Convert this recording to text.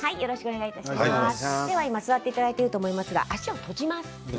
座っていただいていると思いますが、足を閉じます。